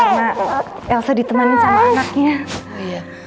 karena elsa ditemani sama anaknya